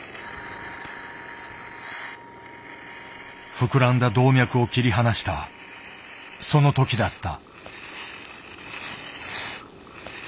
膨らんだ動脈を切り離したその時だった。